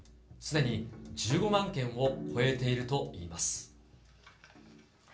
すでに１５万件を超えているといいます。